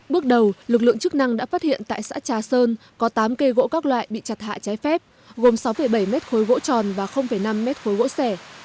bước đầu lực lượng chức năng đã phát hiện tại xã trà sơn có tám cây gỗ các loại bị chặt hạ trái phép gồm sáu bảy mét khối gỗ tròn và năm mét khối gỗ sẻ